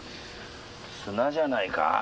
砂じゃないか？